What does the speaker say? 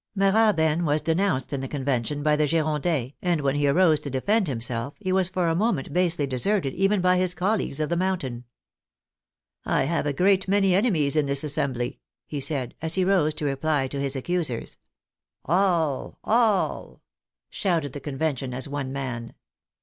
Marat, then, was denounced in the Convention by the Girondins, and when he arose to defend himself he was for a moment basely deserted even by his colleagues of the Mountain. " I have a great many enemies in this Assembly," he said, as he rose to reply to his accusers. " All ! All !" shouted the Convention as one man.